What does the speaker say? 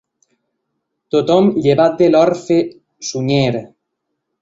Tothom llevat de l'orfe Sunyer.